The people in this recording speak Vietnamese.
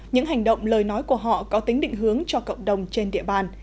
những hành động lời nói của họ có tính định hướng cho cộng đồng trên địa bàn